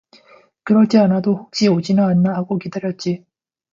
그러지 않아도 혹시 오지나 않나 하고 기다렸지.